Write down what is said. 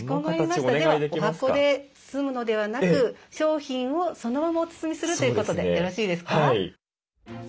ではお箱で包むのではなく商品をそのままお包みするということでよろしいですか？